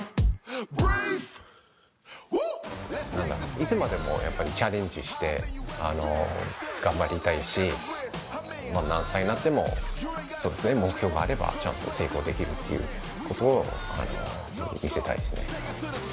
いつまでもやっぱりチャレンジして頑張りたいし何歳になっても目標があればちゃんと成功できるっていうことを見せたいですね